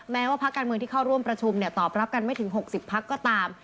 แม้ว่าพักการเมืองที่เข้าร่วมประชุมตอบรับกันไม่ถึง๖๐พักก็ตาม